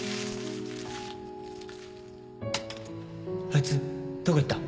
あいつどこ行った？